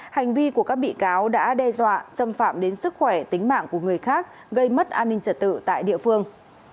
hành vi của các bị cáo đã đe dọa xâm phạm đến sức khỏe tính mạng của người khác gây mất an ninh trật tự tại địa phương